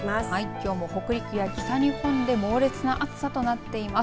きょうも北陸や北日本で猛烈な暑さとなっています。